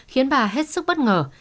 khiến bà hết sức bất ngờ